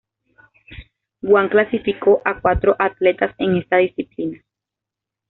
Guam clasificó a un cuatro atletas en esta disciplina.